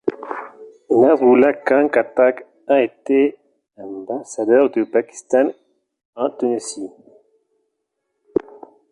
Nasruallah Khan Khattak a été ambassadeur du Pakistan en Tunisie.